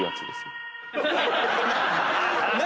何⁉